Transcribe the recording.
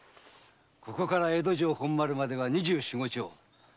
ここから江戸城本丸までは約二十五町。